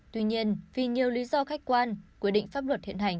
tuy nhiên vì nhiều lý do khách quan quy định pháp luật hiện hành